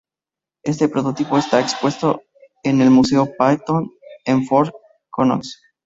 Este prototipo está expuesto en el Museo Patton en Fort Knox.